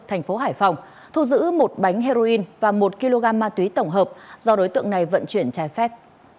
thành phố hải phòng thu giữ một bánh heroin và một kg ma túy tổng hợp do đối tượng này vận chuyển trái phép